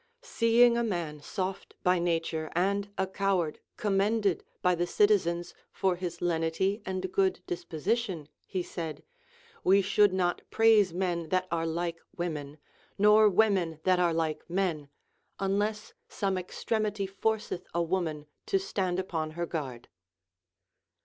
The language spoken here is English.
Seeing a man soft by nature and a coward commended by the citizens for his lenity and good disposition, he said, We shoidd not praise men that are like women, nor women that are like men, unless some extrem ity forceth a woman to stand upon her guard.